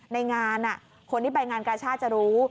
ในงานคนที่ไปงานกาชาติจะรู้